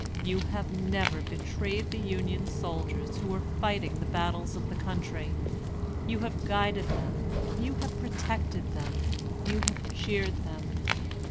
You have never betrayed the Union soldiers who were fighting the battles of the country. You have guided them, you have protected them, you have cheered them.